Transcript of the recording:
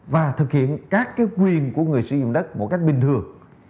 và thực hiện các quyền của người sử dụng đất một cách bình thường